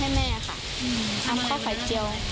ไม่ให้แม่เข้าไปหนูก็ทำกับข้าวให้แม่ค่ะ